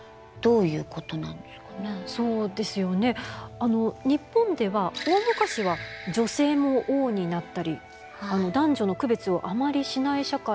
あの日本では大昔は女性も王になったり男女の区別をあまりしない社会だったんですね。